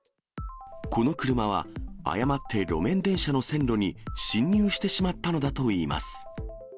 この車は、誤って路面電車の線路に進入してしまったのだといいます。